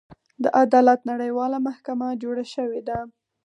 د عدالت نړیواله محکمه جوړه شوې ده.